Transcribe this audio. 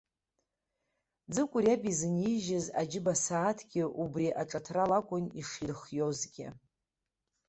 Ӡыкәыр иаб изынижьыз аџьыба сааҭгьы убри аҿыҭрала акәын иширхиозгьы.